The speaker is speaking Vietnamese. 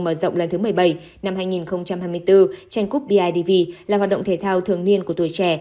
mở rộng lần thứ một mươi bảy năm hai nghìn hai mươi bốn tranh cúp bidv là hoạt động thể thao thường niên của tuổi trẻ